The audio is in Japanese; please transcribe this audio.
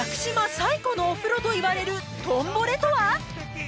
“最古のお風呂”といわれる「トンボレ」とは？